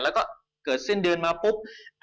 แล้วก็เกิดสิ้นเดือนมาปุ๊บ